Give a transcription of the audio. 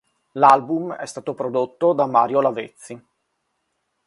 L'album è stato prodotto da Mario Lavezzi.